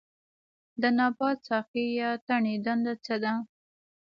د نبات ساقې یا تنې دنده څه ده